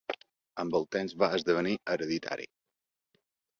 Amb el temps va esdevenir hereditari.